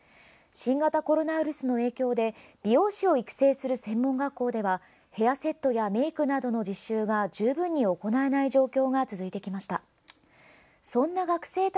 新型コロナウイルスの影響で美容師を育成する専門学校ではヘアセットやメイクなどの実習が十分に行えない状況が続いてきました。